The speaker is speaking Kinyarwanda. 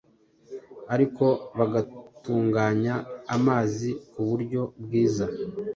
Ariko bagatunganya amazi kuburyo bwiza